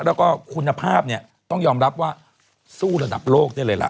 แล้วก็คุณภาพเนี่ยต้องยอมรับว่าสู้ระดับโลกได้เลยล่ะ